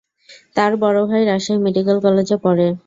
তার বড় ভাই রাজশাহী মেডিকেল কলেজে পড়ে।